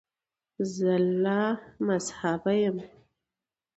زه لامذهبه یم.